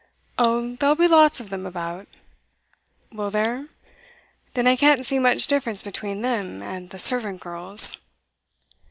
'Oh, there'll be lots of them about.' 'Will there? Then I can't see much difference between them and the servant girls.